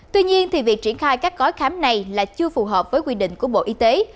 tuy nhiên việc triển khai các gói khám này là chưa phù hợp với quy định của bộ y tế